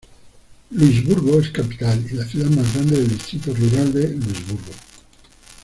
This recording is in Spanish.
Luisburgo es capital y la ciudad más grande del distrito rural de Luisburgo.